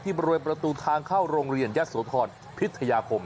ที่มาโรยประตูทางเข้าโรงเรียนยะโสทรพิธยาคม